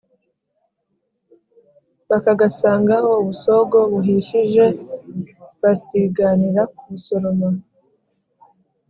bakagasangaho ubusogo buhishije, baslganira kubusoroma